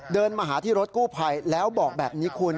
เดินมาหาที่รถกู้ภัยแล้วบอกแบบนี้คุณ